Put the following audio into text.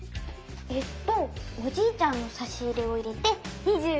えっとおじいちゃんのさしいれを入れて２５本になったよ。